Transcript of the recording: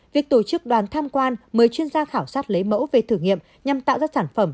việc tổ chức đoàn tham quan mời chuyên gia khảo sát lấy mẫu về thử nghiệm nhằm tạo ra sản phẩm